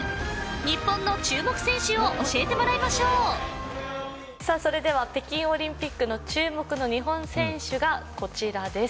日本の注目選手を教えてもらいましょうそれでは北京オリンピックの注目の日本選手がこちらです